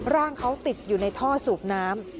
ร่างเขาติดอยู่ในท่อสูบน้ำ